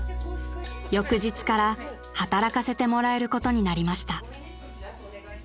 ［翌日から働かせてもらえることになりました］